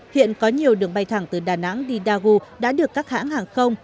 hiện có nhiều đường bay thẳng từ đà nẵng đi dagu đã được các hãng hàng không